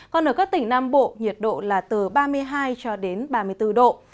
còn ở các tỉnh nam bộ nhiệt độ là từ ba mươi hai cho đến ba mươi bốn độ